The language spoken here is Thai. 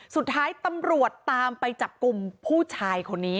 สุดท้ายตำรวจตามไปจับกลุ่มผู้ชายคนนี้